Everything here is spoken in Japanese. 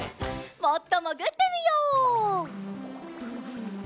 もっともぐってみよう。